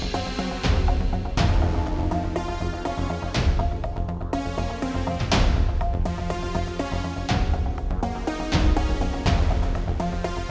kalau terlalu lempar gue nggak kog direken